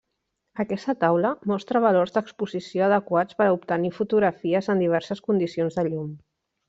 Aquesta taula mostra valors d'exposició adequats per a obtenir fotografies en diverses condicions de llum.